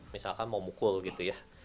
misalkan mau mukul gitu ya